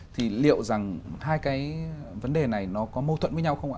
thì liệu rằng hai cái vấn đề này nó có mâu thuẫn với nhau không ạ